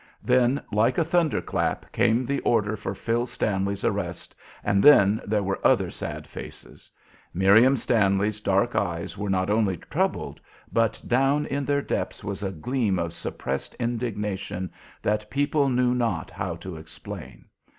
Then, like a thunder clap, came the order for Phil Stanley's arrest, and then there were other sad faces. Miriam Stanley's dark eyes were not only troubled, but down in their depths was a gleam of suppressed indignation that people knew not how to explain.